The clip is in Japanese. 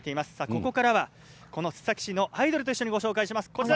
ここからはここ須崎市のアイドルと一緒にご紹介します。